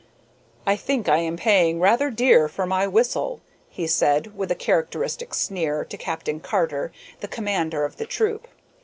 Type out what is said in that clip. "I think I am paying rather dear for my whistle," he said, with a characteristic sneer, to Captain Carter, the commander of the troop.